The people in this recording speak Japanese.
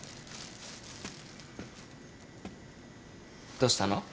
どうしたの？